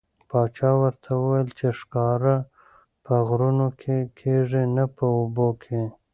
پاچا ورته وویل چې ښکار په غرونو کې کېږي نه په اوبو کې.